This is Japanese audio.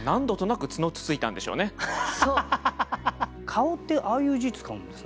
「貌」ってああいう字使うんですね。